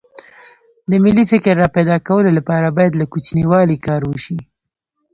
د ملي فکر راپیدا کولو لپاره باید له کوچنیوالي کار وشي